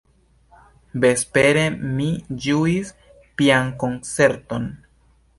Vespere mi ĝuis piankoncerton.